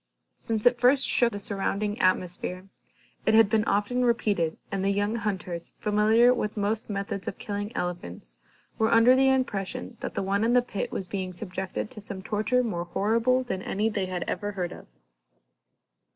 Since it first shook the surrounding atmosphere, it had been often repeated and the young hunters, familiar with most methods of killing elephants, were under the impression that the one in the pit was being subjected to some torture more horrible than any they had ever heard of.